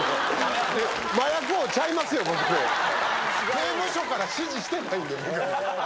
刑務所から指示してないんで。